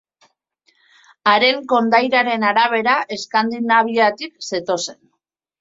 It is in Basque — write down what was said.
Haren kondairaren arabera, Eskandinaviatik zetozen.